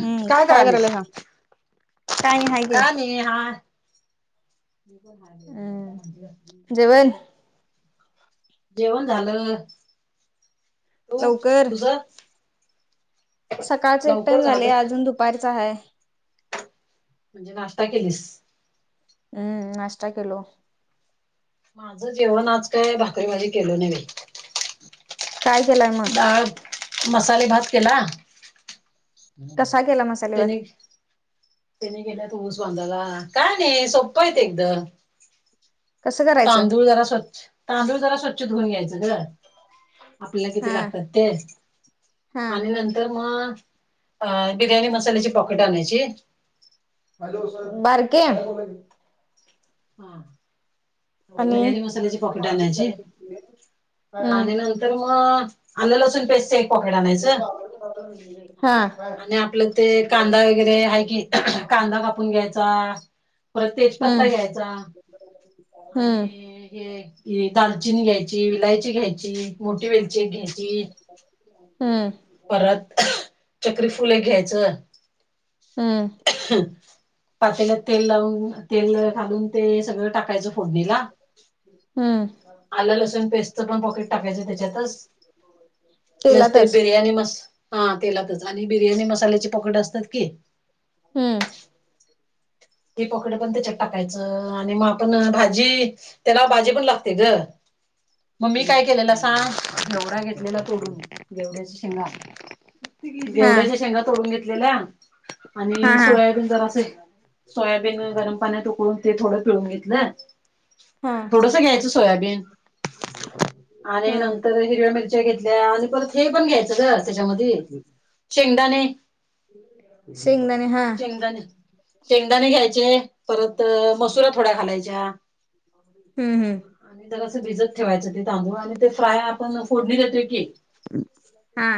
हम्म काय करायलायसा? का नी हात हम्म जेवण [unintelligible] जेवण झालं. तू लवकर तुझ सकाळचा एक लवकर टाइम झाले झालं अजून दुपारचा आहे. म्हणजे नाश्ता केलीस? हम्म नाष्टा केलो. माझं जेवण आज काय भाकरी भाजी केलो नाई बाई. काय केलंय म? डाळ मसालेले भात केला. कसा केला मस् त्याने त्याने गेला तस बांधाला काय नाही सोप्प येत एकदम. कसं करायचं तांदूळ जरा स्वच्छ तांदूळ जरा स्वच्छ धुऊन घ्यायचं ग. आपल्याला किती हा लागतात तेच हा आणि नंतर नंतर म बिर्याणी मसाल्याची पॉकेट आणायची बारक्या हा आणि बिर्याणी मसाल्याची पाकीट आणण्याची हम्म आणि नंतर तर मग आलं लसून पेस्ट एक पॉकेट आणायच हा आणि आपलं ते कांदा वगैरे आहे की कांदा कापून घ्यायचा परत तेजपत्ता हम्म घ्यायचा. हम्म आणि. दालचिनी घ्यायची इलायची घ्यायची मोठी वेलची घ्यायची. हम्! परत चक्री फुले घ्यायचं. हम! पातेला तेल लावून तेल घालून ते सगळं टाकायचं. पूर्णिला. हम्म! आलं लसूण पेस्टच पण पॉकेट टाकायचं त्याच्यातच. नसते तेलातच बिर्याणी मस हा तेलातच आणि बिर्याणी मसाल्याची पकड असतात की. हम्म! तेी पकड पण त्याच्यात टाकायचं आणि मग आपण भाजी त्याला भाजी पण लागते ग. मम्मी काय केलेला सांग घेवडा घेतलेला तोडून घेवड्याच्या शेंगा हा एवढ्याच्या शेंगा तोडून घेतलेल्या हा आणि हा सोयाबीन जर असे सोयाबीन गरम पाण्यात उकळून ते थोडं पिळून घेतलं हा थोडंस घ्यायचं सोयाबीन आणि हा नंतर हिरव्या मिरच्या घेतल्या आणि परत हे पण घ्यायचं ग त्याच्यामध्ये शेंगदाणे संगदाणे हा चंगाने शेंगदाणे घ्यायचे परत मसुरा थोड्या खालायच्या हम् हम आणि जरसं भिजत ठेवायचं ते तांदूळ आणि ते फ्राय आपण फोडणी देतोय की हा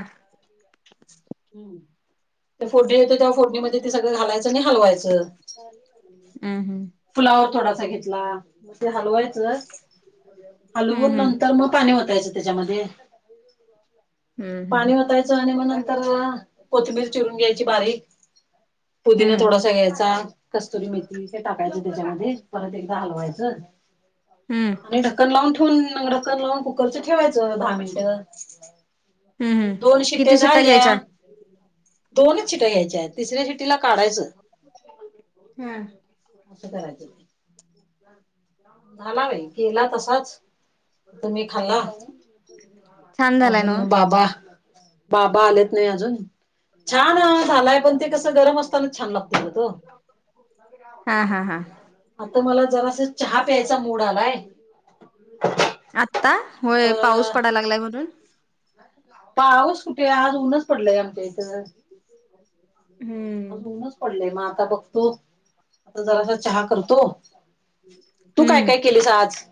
हम ते फोटेत त्या फोडणीमध्ये ते सगळं घालायचं आणि हलवायचं हम्म हम्म फुलावर थोडासा घेतला मग ते हलवायचंच. हलवून हम्म हम्म नंतर मग पाणी होतायचं त्याच्यामध्ये. हम्म पाणी हम्म वतायचं आणि मग नंतर कोथिंबीर चिरून घ्यायची बारीक. पुदीिना हम्म थोडासा घ्यायचा कस्तुरी मेथी टाकायचे त्याच्यामध्ये परत एकदा हलवायचं हम्म आणि ढक्कन लावून ठेवून ढक्कन लावून कुकरचं ठेवायचं दहा मिनिटं हम्म अरे हम्म दोन शिट्या किती शिट्टा झाल्या घ्यायच्या? दोनच शिट्या घ्यायच्या आहेत तिसऱ्या शिटीला काढायचं हा असं कराय बाई केला तसाच ह तुम्ही खाला छान झालाय ना अजून बाबा बाबा आलेत नाही अजून छान झालाय पण ते कस गरम असत छान हा हा हा आता मला जरा च चा मूड आलाय आत्ता होय आता पाऊस पडायला लागलाय म्हणून पाऊस कुठे आज ऊन्हच पडलाय आमच्या इथं हम्म आजऊनच पडलय मग आता बघतो आता जरासा चहा करतो तू काय काय हम्म केलेस आज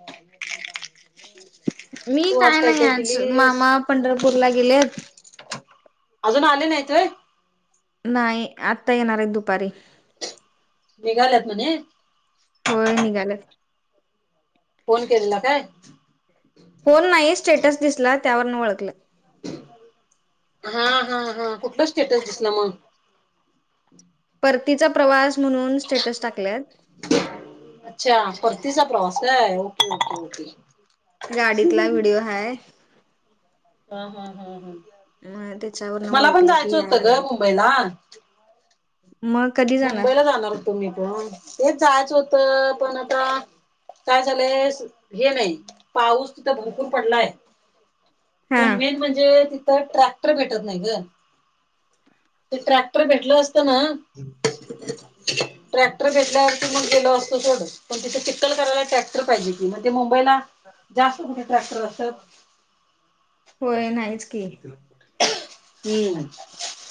तू आज काय काय केलीस पंढरपूर ला गेलेत अजून आले नाहीतय नाही आता येणार आहेत दुपारी मेघालयात म्हणे होय निघाल फोन केलेला काय फोन नाही स्टेटस दिसला त्यावरन ओळखलं हा हा हा कुठला स्टेटस दिसला मग परतीचा प्रवास म्हणून स्टेटस टाकल्यात अच्छा परतीचा प्रवास ओ ओ होती गाडीतला व्हिडिओ ह हम् हम् हम् हम मग त्याच्यावर न ओळखले की याय लागले ला मग मुंबईला जाणार होतो मी पण तेच जायच होतं पण आता काय झालंय हे नाही पाऊस तिथं भरपूर पडलाय हा पण मेन म्हणजे तिथं ट्रॅक्टर भेटत नाही ग ते ट्रॅक्टर भेटलं असतं ना हम् ट्रॅक्टर भेटल्यावर क म्हण केल असतो सड पण तिथे चित्तल करायला ट्रॅक्टर पाहिजे की मग ते मुंबईला जास्त कुठे ट्रॅक्टर असतात होय नाहीच की हम्म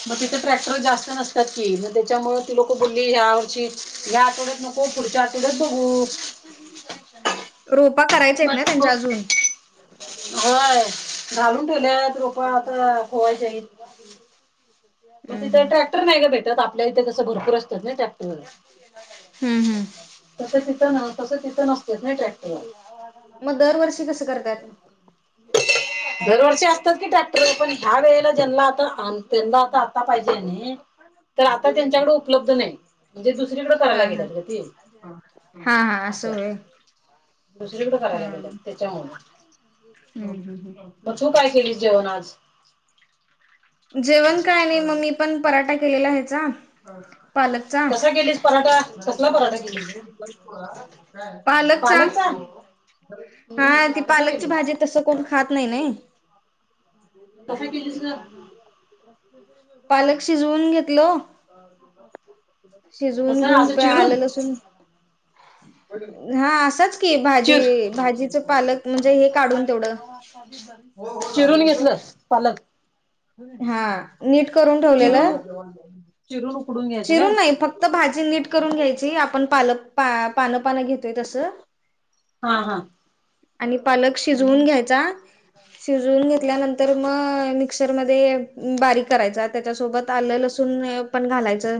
मग तिथे ट्रॅक्टर जास्त नसते की मग त्याच्यामु ती लोकं बोलली ह्या वर्षी ह्या आठवड्यात नको पुढच्या आठवड्यात बघू रोपा करायचे आहेत ना त्यांच्या अजून हाय घालून ठेवल्या आहेत रोपा आता खोवायच्या मग हम्म तिथं हम्म ट्रॅक्टर नाही का भेटत आपल्या इथे तसं भरपूर असतात ना टॅक्टर हम्म हम् तस तिथं तस तिथं नसतच नाही ट्रॅक्टर ह मग दरवर्षी कसं करतात दरवर्षी असतात की टाक्टर पण ह्या वेळेला ज्यांना आता त्यांना आता आता पाहिजे न तर आता त्यांच्याकडे उपलब्ध नाही म्हणजे दुसरीकडे हा करायला हा गेलं त हा हा असंय दुसरीकडें करायला गेलं त्याच्यामुळे हम ह ह तू काय केली जेवण आज जेवण काय नाही मग मी पण पराठा केलेला आहेचा पालकचा कसा केलीस पराठा? कसला पराठा केलीस? पालकचा हम्म हा ती कसा पालकची केलीस? भाजी तस कोण खात नाही नाही तसेे केलीस ना पालक शिजवून घेतल शिजवून कसं घेऊन असं प आलंल असून असंच की चि भाजी भाजीच पालक म्हणजे हे काढून तेवढं चिरून घेतलं पालक हा नीट करून चिरून ठेवलेलं चिरून उडून चिरून नाही फक्त भाजी नीट करून घ्यायची आपण पालक पानं पानं घेतोय तसं हा हा आणि पालक शिजवून आणि घ्यायचा शिजून घेतल्यानंतर मग मिक्सरमध्येध्ये बारीक करायचा त्याच्या सोबत आलंल असून पण घालायचं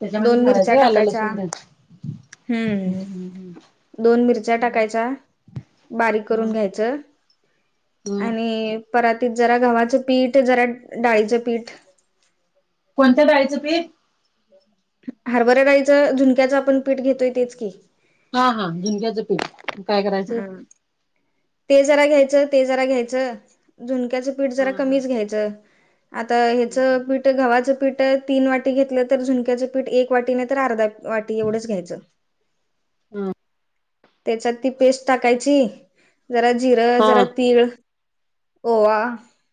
त्याच्यामध्येच दोन घालायचं मिरच्या व्हय आलं टाकायच्या लसूण तेन हम्म. दोन मिरच्या हम्म टाकायच्या, बारीक हम्म करून घ्यायच हम्म हम्म आणि की परातीत जरा गव्हाचं पीठ, जरा डाळीचं पीठ कोणत्या डाळीच पीठ? हरभरा डाळीच, झुणक्याचं आपण पीठ घेतोय तेच की. हा हा. झुणक्याचं पीठ काय करायचं? हा ते जरा घ्यायचं, ते जरा घ्यायचं, झुणक्याचं पीठ हा जरा हा कमीच घ्यायचं. आता हेच हम्म पीठ गव्हाचं पीठ तीन वाटी घेतलं तर झुणक्याचं पीठ एक वाटी नाही तर अर्धा वाटी एवढंच घ्यायचं. अं. त्याच्यात ती पेस्ट टाकायची. जरा जिरं, हा जरा तीळ ओवा,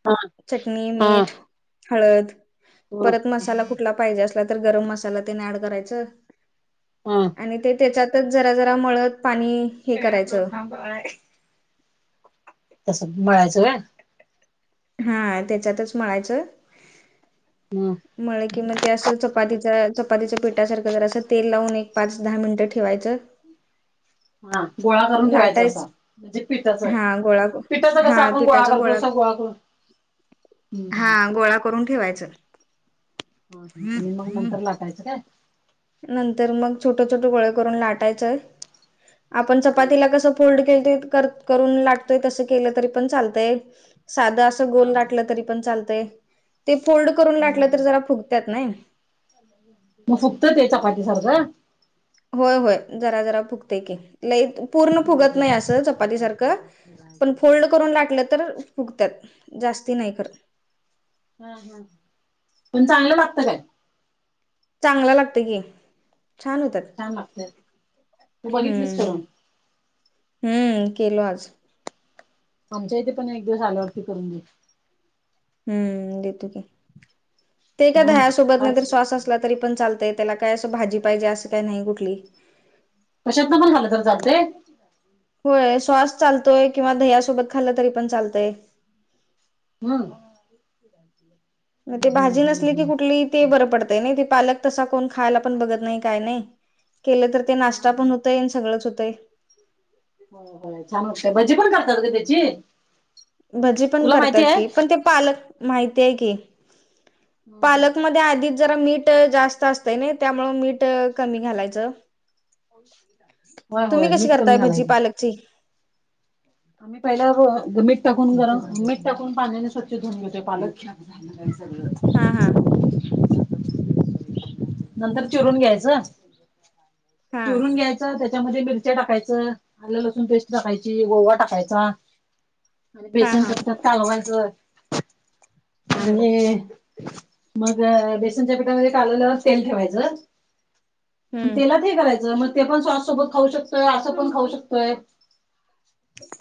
हा हा चटणी, हा मीठ, हळद परत मसाला कुठला पाहिजे असला तर गरम मसाला तेन ऍड करायच. अं. आणि त्याच्यातच जरा जरा मळत पाणी हे करायचं [unintelligible] तसं मळायचं व्हय. हा. त्याच्यातच मळायचं. हम्म. मळ की मग ते असं चपाती चपातीच्या पिठासारखं जर असं तेल लावून एक पाच, दहा मिनिटं ठेवायचं. हा गोळा करून ठेवायचा असा लाटायच म्हणजे पिठाच हा गोळा पिठाचा कसा हा आपण गोळा पिठाचा करतो तस गोळा करून [inaudible] हम्म हा. हम्म गोळा करून ठेवायच. ह ह आणि मग नंतर लाठायचं काय? नंतर मग छोट छोट गोळे करून लाटायचय. आपण हा चपातीला कसं थोडं केलतीत करत करून लाटतोय तस केल तरी पण चालतंय असं हा गोल हा लाट तरी पण चालत ते फोल्ड करून हम्म लाटलं तरी हम्म जरा फुगत ने. मग फुगत ते चपातीसारख होय होय. जरा जरा फुगतय की लई पूर्ण हम्म फुगत नाही असं चपाती हम्म सारखं पण फोल्ड करून लाटलं तर फुगत्यात जास्ती नाही खर ह हा. पण चांगलं लागतं काय? चांगला लागतय की, छान होतात. छान लागत्यात. हम्म. हम्म केलो आज. आमच्या इथे पण एक दिवस आल्यावरती करून दे. हम्म. देतो की ते काय मग दह्यासोबत नाहीतर आज सॉस असला तरी पण चालतय. त्याला काय असं भाजी पाहिजे असं काय नाही कुठली. कशातन पण खाल्लं तर चालतंय? होय. सॉस चालतोय किंवा दह्यासोबत खाल्लं तरी पण चालतंय. हम्म. [inaudible] ग ते भाजी हम्म नसली की हम्म कुठली ते बरं पडतय नाही ते पालक तसा कोण खायला पण बघत नाही काय नाही. केलं तर ते हा नाश्ता हा पण होतय आणि सगळंच हुतंय. हो हो छान वाटतय. भजी पण करतात ग त्याची. भजी पण तुला माहिती करत्यात आहे? की, पण ते पालक माहिती आहे की. हम्म हम्म पालकमध्ये आधीच जरा मीठ जास्त असतय ने त्यामुळ मीठ कमी घालायचं. होय तुम्ही होय कशी मीठ कमी करताय भजी घालायचं. पालकची? आम्ही पहिला मीठ टाकून गरम मीठ टाकून पाण्याने स्वच्छ धुऊन घेतोय पालक. घाण घाण सगळं हा हा [inaudible] नंतर चिरून घ्यायचं, हा चिरून घ्यायच त्याच्यामध्ये मिरच्या टाकायचं आलं लसूण पेस्ट टाकायची गोवा टाकायचा. आणि हा बेसन हा करतात कालवांचं हम्म आणि मग बेसनच्या पिठामध्ये काललं तेल ठेवायचं. आणि हम्म तेला ते हे करायचं मग ते पण स्ससोबत खाऊ शकतोय असं पण खाऊ शकतोय.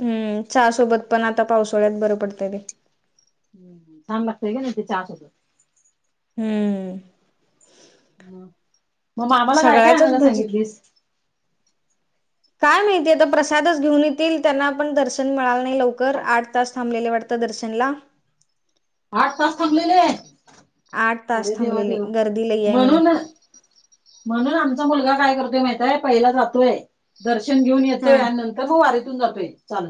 हम्म च सोबत पण आता पावसाोळ्यात बरं पडतंय ते हम्म सांमारतगन येते चचाास होत. हम्म. मग मामाला काय काय सगळ्याच्याच आणला भजी सांगितलीस. काय माहितीय आता प्रसादच घेऊन येतील त्यांना आपण दर्शन मिळालं नाही लवकर आठ तास थांबलेले वाटत. दर्शनला आठ तास ठकलेले आहे. आठ अरे तास देवा थांबलेले देवा गर्दी लई आहे म्हणे म्हणून म्हणून आमचा मुलगा काय करतोय माहताय पहिला जातोय दर्शन घेऊन हा येतोय आणि नंतर म वारीथून जातो चाल.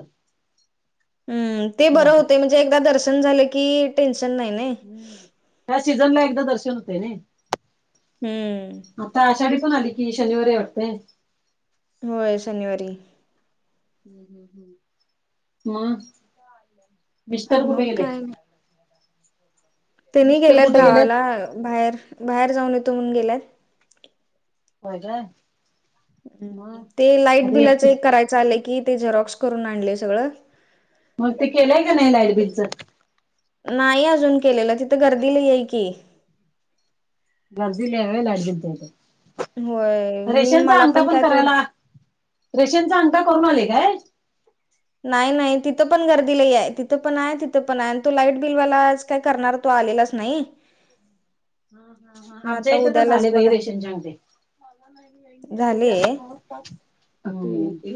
हम्म ते बरं होते म्हणजे एकदा दर्शन झालं की टेन्शन नाही नाही. हम्म त्या सीझन ला एकदा दर्शन होते ना. हम्म. आता आषाढी पण आली की शनिवारी आवडते. होय शनिवारी ह् ह्् मग विस्तार कुठे मग गेले. तनी मिस्टर गेल्यात कुठे गेलेत गावाला बाहेर बाहेर जाऊन येतो म्हणून गेल्यात. हो काय? मग ते लाईट आता बिलाच एकटीच एक करायच आलंय की ते झेरॉक्स करून आणले सगळं. मग ते केलंय का नाही लायब्रीचं. नाही अजून केलेलं तिथं गर्दीला येई की लझील यावे लाटल होय मी रेशनचा मला अंगटा पण काय तेवढं करायला रेशेंचा अंका करून आले काय? नाही नाही तिथं पण गर्दी ल आहे तिथं पण आहे तिथं पण आहे आणि तो लाईट बिलवाला का करणार तो आलेलाच नाही. हम्. मग आमच्या आता इथे तर उद्यालाच झाले का बघा रेशनच्याग झाले. अ ते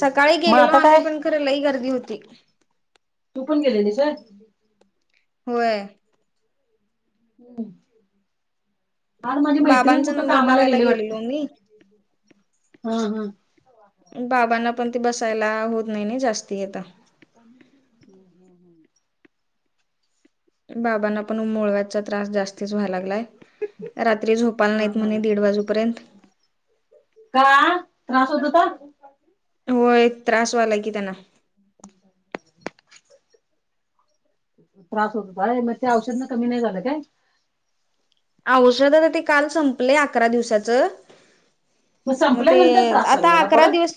सकाळी गेलेलो आम्ही पण खराला ह गर्दी होती. तू पण गेलेली सर. होय. हम्म. मर माझी मैत्रिण बाबांचा कुठे नंबर कामाला लावायला गेले वाटते गेलेलो मी हा हा. बाबांना पण ते बसायला होत नाही ना जास्ती आता हम हम. बाबांना मग पण मुळव्याचा त्रास जास्तीत व्हाय लागलाय. रात्री झोपाला हा नाहीत म्हणे हा दीड वाजूपर्यंत का त्रास होत तर होय त्रासवाला की त्यांना त्रास होत हो काय मग ते औषध ना कमी नाही झालं काय? औष दादा ते काल संपले अकरा दिवसाचं मग ते संपल्यानंतर त्रास चालू आता झाला अकरा परत? दिवस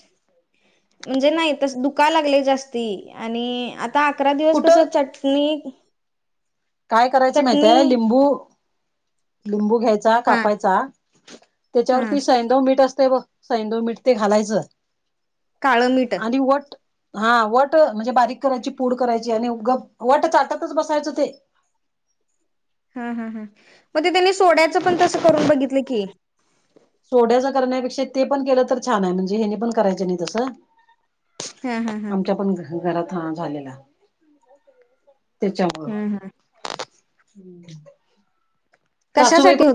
म्हणजे नाही तस दुखा लागले जास्ती आणि आता अकरा दिवस कसं कुठं चटणी काय करायचं माहितय चटणी लिंबू लिंबू घ्यायचा हा कापायचा. हा त्याच्यावरती सैंदव मीठ असते ब सैंदव मीठ ते घालायचं. काळं मीठ आणि वट हा वट म्हणजे बारीक करायची पूड करायची आणि ग वट चाटातच बसायचं ते हा हा हां मग ते त्यांनी सोड्याचं पण तसं करून बघितलं की सोड्याचा करण्यापेक्षा ते पण केलं तर छान आहे म्हणजे हेनी पण करायच नाही तसं हा हा हा आमच्या पण घरात झालेला त्याच्यामु हा हा कशासाठी होत